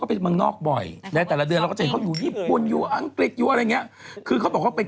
คือต้องยอมรับว่าชีวิตของเขาคือสุดโตเป็น